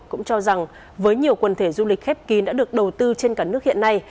cũng cho rằng với nhiều quần thể du lịch khép kín đã được đầu tư trên cả nước hiện nay